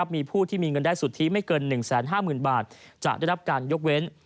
มีผู้ที่มีเงินได้สุทธิไม่เกิน๑๕๐๐๐บาทจะได้รับการยกเว้น